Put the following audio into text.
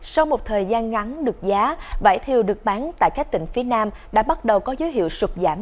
sau một thời gian ngắn được giá vải thiều được bán tại các tỉnh phía nam đã bắt đầu có dấu hiệu sụp giảm